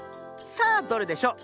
さあどれでしょう。